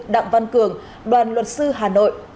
đặng văn cường đoàn luật sư hà nội